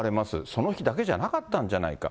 その日だけじゃなかったんじゃないか。